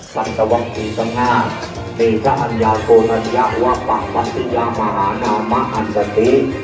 สังสวัสดีทั้งห้ามีชะอันยาวโทษอันยาวว่าฝังพัศจิยามหานามมาอันกษัตริย์